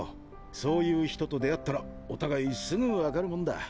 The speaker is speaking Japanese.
そういう人と出会ったらお互いすぐ分かるもんだ。